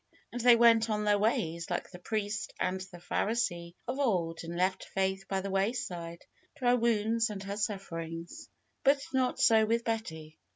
And they went on their ways like the priest and the Pharisee of old, and left Faith by the wayside to her wounds and her sufferings. But not so with Betty.